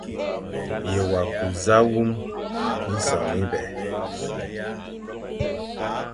Ye ku za wum minsef mibè.